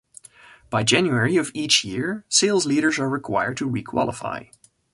By January of each year, sales leaders are required to requalify.